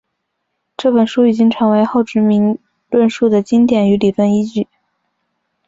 这本书已经成为后殖民论述的经典与理论依据。